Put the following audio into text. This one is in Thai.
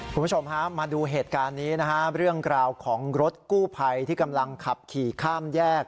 คุณผู้ชมฮะมาดูเหตุการณ์นี้นะฮะเรื่องราวของรถกู้ภัยที่กำลังขับขี่ข้ามแยก